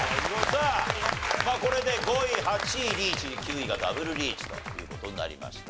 さあこれで５位８位リーチに９位がダブルリーチという事になりました。